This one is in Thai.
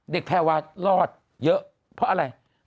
แพรวารอดเยอะเพราะอะไร